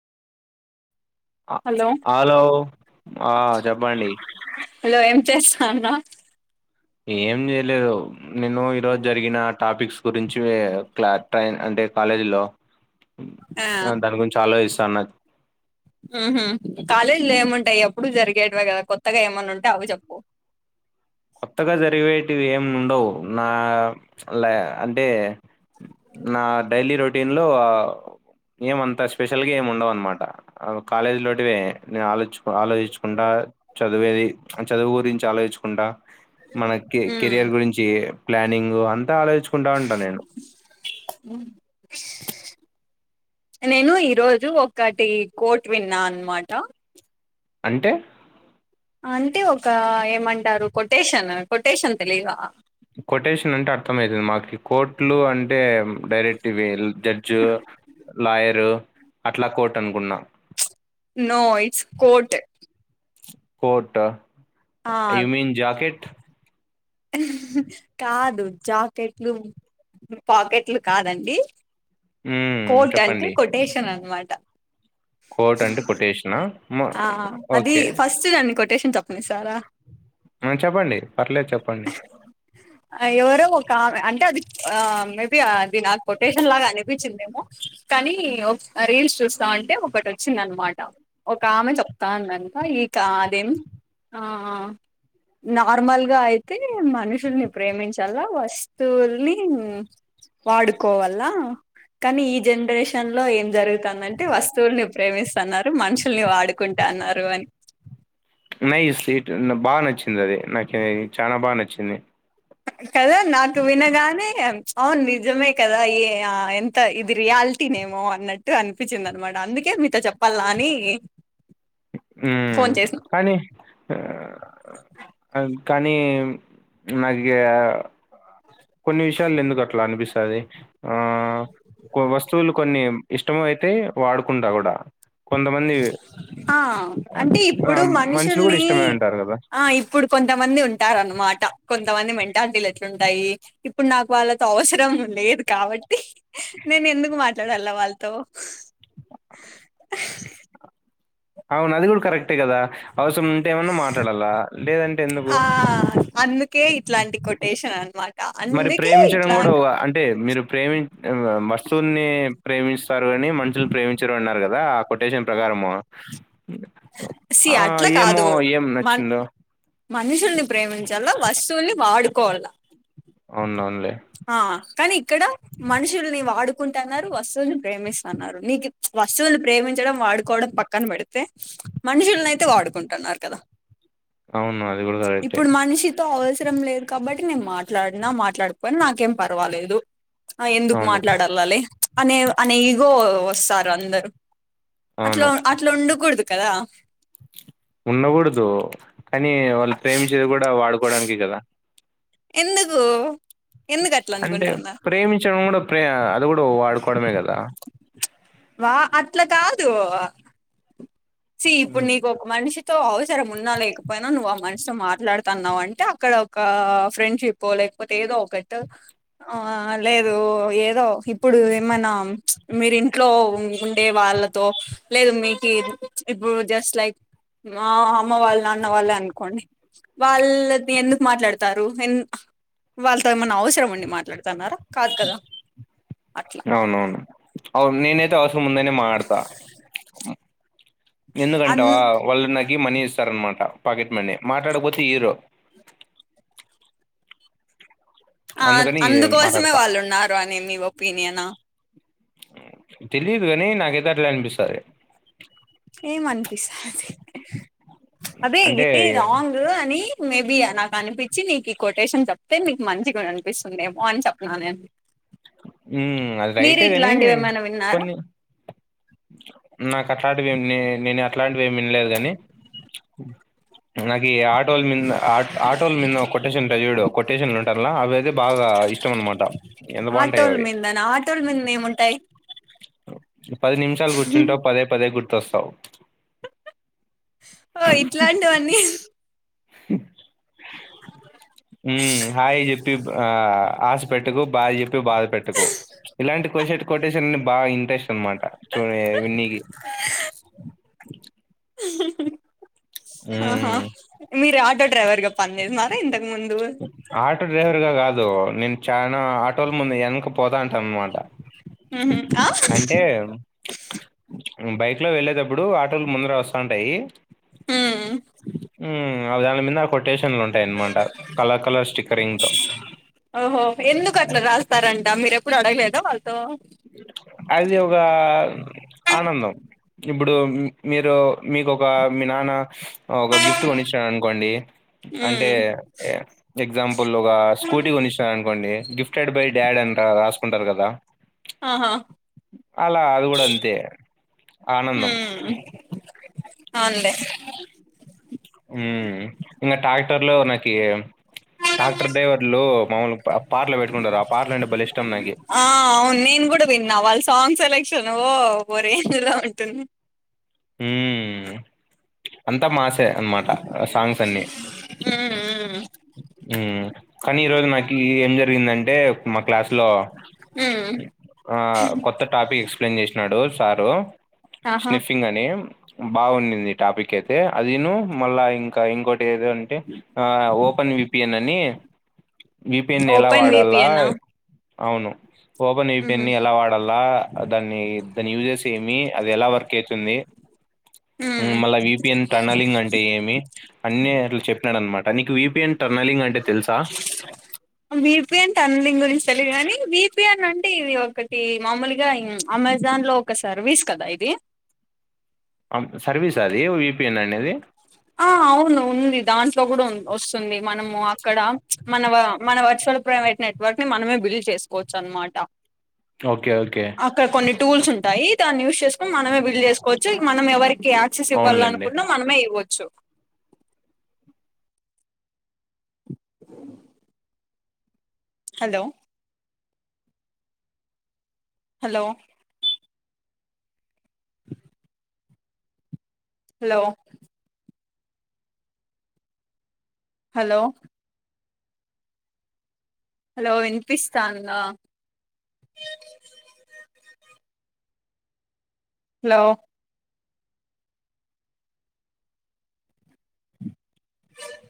Hello hello ఆ చెప్పండి hello ఏం చేస్తాన్నా ఏం లే లేదు నేను ఈరోజు జరిగిన టాపిక్స్ గురించి క్లా ట్రైన్ అ ఎ కాలేజ్ లో ఆ అ దాని గురించి ఆలోచిస్తాన్న ఉహు కాలేజీలు ఏముంటాయి ఎప్పుడు జరిగేటివే కదా కొత్తగా ఏమన్నా ఉంటే అవి చెప్పు కొత్తగా జరిగేటివి ఏం ఉండవు నా అంటే నా డైలీ రొటీన్లో ఏమంత స్పెషల్ గా ఏం ఉండవు అన్నమాట కాలేజీ లోటివే నేను ఆలోచ ఆలోచించుకుంటా చదివేది చదువు గురించి ఆలోచించుకుంటా మనకి ఉమ్ కెరియర్ గురించి ప్లానింగ్ అంతా ఆలో చుకుంటా ఉంటా నేను నేను ఈరోజు ఒకటి కోర్ట్ విన్నా అనమాట అంటే అంటే ఒక ఏమంటారు కొటేషన్ కొటేషన్ తెలియగా కొటేషన్ అంటే అర్థంమయితుంది మాకు కోర్టులు అంటే డైరెక్ట్ ఇవి జడ్జు లాయరు అట్లా కోర్ట్ అనుకున్నా నో ఇట్స్ కోట్ కోట్ ఆ ఆ యూమీన్ జాకెట్ కాదు జాకెట్లు పాకెట్లు కాదండి కోట్ అంటే కొటేషన్ అనమాట్ కోట్ అంటే కొటేషనా మ- ఆ అది ఓకే ఫస్ట్ దాన్ని కొటేషన్ తప్పని సారా ఆ, చెప్పండి పర్లేదు చెప్పండి ఎవరో ఒకామె అంటే అది ఆ మేబి అది నాకు కొటేషన్ లాగా అనిపించిందేమో కానీ రీల్స్ చూస్తాంటే ఒకటి వచ్చింది అనమాట ఒక ఆమె చెప్తాందంట ఈకా అదేం ఆ నార్మల్గా అయితే మనుషుల్ని ప్రేమించల్ల వస్తువుల్ని వాడుకోవల్లా కానీ ఈ జనరేషన్లో ఏం జరుగుతాందంటే వస్తువుల్ని ప్రేమిస్తన్నారు మనుషు అలుని ఆడుకుంటా అన్నారు అని నై ఈ స్లీట్ న బాగా నచ్చింది అది నాకి చానా బాగా నచ్చింది కద నాకు వినగానే అవును నిజమే కదా ఏ ఎంత ఇది రియాలిటీనేమో అన్నట్టు అనిపించింది అనమాట అందుకే మీతో చెప్పల్లా అని ఉమ్ ఫోన్ చేసిన కానీ అ కానీ నాకిగా కొన్ని విషయాలు ఎందుకు అట్లా అనిపిస్తాది ఆ వస్తువులు కొన్ని ఇష్టం అయితే వాడుకుంటా కూడా కొంతమంది ఆ అంటే ఆ ఇప్పుడు మనుషులు కూడా మనుషుల్ని ఇష్టమే అంటారు కదా ఆ ఇప్పుడు కొంతమంది ఉంటారు అన్నమాట కొంతమంది మెంటాలిటీలు ఎట్లుంటాయి ఇప్పుడు నాకు వాళ్ళతో అవసరం లేదు కాబట్టి నేను ఎందుకు మాట్లాడాల్ల వాళ్ళతో అవును అది కూడా కరెక్టే కదా అవసరం ఉంటే ఏమన్నా మాట్లాడల్ల లేదంటే ఎందుకు ఏ ఇట్లాంటి కొటేషన్ అనమాట మరి అందుకే ప్రేమించడం ఇట్లా కూడా అంటే మీరు ప్రేమి వస్తుల్ని ప్రేమిస్తారు కాని మనుషులు ప్రేమించారు అన్నారు కదా ఆ కొటేషన్ ప్రకారంము సి అట్లా కాదు ఏం మన్ నచ్చిందో మనుషుల్ని ప్రేమించేలా ఫష్ తోని వాడుకోవాళ్ళ అవున్ అవున్లే ఆ కాని ఇక్కడ మనుషుల్ని వాడు కుంటన్నారు వస్తువుల్ని ప్రేమిస్తున్నారు నీకిద్ వస్తువుల్ని ప్రేమించడం వాడుకోవడం పక్కన పెడితే మనుషుల్నయితే వాడుకుంటున్నారు కదా అవును అది కూడా కరెక్టే ఇప్పుడు మనిషితో అవసరం లేదు కాబట్ ట్టి నేను మాట్లాడినా మాట్లాడుపోయిన నాకేం పర్వాలేదు ఆ ఎందుకు అవును మాట్లాడల్లాలి అనే అనే ఇగో వస్తా అందరు అట్లా అవును అట్లుండకూడదు కదా ఉండకూడదు కానీ వాళ్ళు ప్రేమించేది కూడా వాడుకోడానికె కదా ఎందుకు ఎందుకు అట్లా అంటే అనుకుంటాన్నారు ప్రేమించడం కూడా ప్రే అది కూడా వాడుకోవడమే కదా వా అట్లా కాదు సి ఇప్పుడు ఉమ్. నీకు ఒక మనిషితో అవసరం ఉన్నా లేకపోయినా నువ్వు ఆ మన్ స్ మాట్లాడుతున్నావంటే అక్కడ ఒక ఫ్రెండ్షిప్పో లేకపోతే ఏదో ఒక్కట్ ఆ లేదు ఏదో ఇప్పుడు ఏమన్నా మీరింట్లో ఉండే వా ళ్లతో లేదు మీకి ఇప్పుడు జస్ట్ లైక్ మా అమ్మ వాళ్ళు నాన్న వాళ్లేనుకోండి వాళ్ళద్ ఎందుకు మాట్లాడతారు ఎన్ వాళ్ళతో ఏమన్నా అవసరం ఉండి మాట్లాడుతున్నారా కాదు కదా అట్లా అవునవును అవును నేనైతే అవసరం ఉందనే మటడ్త ఎందు గంటవా అ వల్ నా మనీ ఇస్తారనమాట పాకెట్ మని మాట్లాడకపోతే ఇరో ఆ అందుకని అందుకోసమే మాట్లాడతా వాళ్ళు ఉన్నారు అని మీ ఒపీనియన్ ఆ తెలిదు గని నాకైతే అట్లే అనిపిస్తది ఏం అనిపిస్తా అది అంటే ఇది రాంగ్ అని మేబీ నాకు అనిపించి నీకు ఈ కొటేషన్ చెప్తే నీకు మంచిగా అనిపిస్తుందేమో అని చెప్న్నా నేన్ ఉం అది రైటే గని ఏమైనా విన్నారా కొన్ని నాకట్లాంటివన్నీ నేను అట్లాంటివిమి వినలేదు గని నాకి ఆటోల్ మీంద ఆ ఆటోల మీంద కొటేషన్ ఉంటద్ జూడు కొటేషన్లు ఉంటర్ల అవైతే బాగా అ ఇష్టమనమాటా ఆటోల్ మీందనా ఆటోల్ మీంద ఏం ఉంటాయ్ పది నిమిషాలు కుర్చుంటావు పదే పదే గుర్తొస్తావ్ ఓ ఇట్లాంటివన్నీ ఉం హాయి చెప్పి ఆ ఆశ పెట్టుకు ట్ బాధ పెట్టుకో ఇలాంటి కొసేట్ కొటేషన్ని బాగా ఇంట్రెస్ట్ అనమాట చూడి విన్నికి ఆహా హ్మ్ మీ రా టొ డ్రైవర్గా పన్ చేసినారా ఇంతకు ముందు ఆటో గా డ్రైవర్ గాదు నేన్ చానా ఆటోల ముందు ఎన్క పోతాంటాన్మాట ఉహు ఆ అంటే ఉం బైక్ క్లో వెళ్లేేటప్పుడు ఆటోలు ముందర వస్తాంటాయి ఉం ఆ దాని మీద ఆ కొటేషన్లు ఉంటాయి అన్నమాట ఓహో ఎందుకు అట్లా రాస్తారంట మీరేప్పుడు అడగలేదా వాళ్ అది ఒగ ఆనందం ఇప్పుడు మీరు మీకొక మీ నాన్న ఒక గిఫ్ట్ కొనిచ్చినాడనుకోండి అంటే ఉమ్ ఎగ్జాంపుల్ ఒక స్కూటీ కొ కొనిచ్చినాడనుకోండి గిఫ్టెడ్ బై డాడ్ అంట రాసుకుంటారు కదా ఆహా అలా అది కూడా అంతే ఆనందం అవ్న్ లే ఉ ఇంక టాక్టర్ లో నాకి ట్రాక్టర్ డ్రైవర్లు మామలు పాటలు పెట్టుకుంటారు ఆ పాటలంటే భలే ఇష్టం నాకి అ అవును నేను కూడా విన్నా వాళ్ళ సాంగ్ సెలెక్షన్ ఓ ఓ రేంజ్లో ఉంటుంది మ్ అంత మాసే అన్మాట సాంగ్స్ అన్ని మ్మ్ కానీ ఈరోజు నాకి ఏం జరిగిందంటే మా క్లాస్ లో మ్మ్ ఆ కొత్త టాపిక్ ఎక్స్ప్లెయిన్ చేసినాడు సారు ఆహా స్నిఫింగ్ అని బాగున్నింది టాపిక్ అయితే అదిను మళ్ళా ఇంకా ఇంకోటి ఏదంటే ఓపెన్ విపిఎన్ ని విపిఎన్ ని ఎలా ఓపెన్ వాడాల విపిఎన్ ఆ అవును ఓపెన్ విపిఎన్ ని ఎలా వాడాల దాన్ని దాని యూజస్ ఏమి అది ఎలా వర్క్ అయితుంది హ్మ్ మళ్ళా విపిఎన్ టనలింగ్ అంటే ఏమి అన్నీ అట్లా చెప్పినాడనమాట తనీకి విపిఎన్ టర్నలింగ్ అంటే తెలుసా? విపిఎన్ టర్నలింగ్ గురించి తెలియదు గాని వి విపిఎన్ అంటే ఇది ఒకటి మామూలుగా అమెజాన్ లో ఒక సర్వీస్ కదా ఇది [inaudible] అం సర్వీసా అది విపిఎన్ అనేది ఆ అవును ఉంది దాంట్లో కూడున్ వస్తుంది మనము అక్కడ మన వ మన వర్ష ప్రైవేట్ నెట్వర్క్ ని మనమే బిల్డ్ చేసుకోవచ్చు అన్మాట ఓకే ఓకే టూల్స్ ఉంటాయి దాన్ని యూస్ చేసుకుని మనమే బిల్డ్ చేసుకోవచ్చు మనం ఎవరి యాక్సేస్ అవునులెండి. ఇవ్వాలనుకున్నా మనమే ఇవ్వోచ్చు [inaudible] hello hello [inaudible] hello hello hello వినిపిస్తాందా హలో